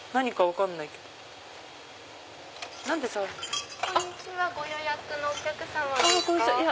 こんにちはご予約のお客様ですか？